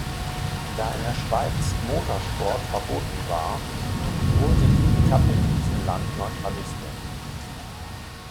Da in der Schweiz Motorsport verboten war, wurde die Etappe in diesem Land neutralisiert.